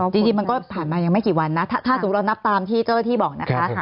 จริงมันก็ผ่านมายังไม่กี่วันนะถ้าสมมุติเรานับตามที่เจ้าหน้าที่บอกนะคะ